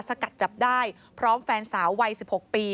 สกัดจับได้พร้อมแฟนสาววัย๑๖ปี